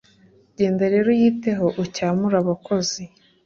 genda rero uyiteho ucyamure abakozi